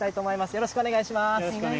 よろしくお願いします。